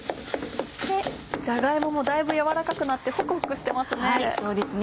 じゃが芋もだいぶ軟らかくなってホクホクしてますね。